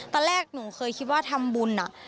ตอนแรกหนูเคยคิดว่าทำบุญ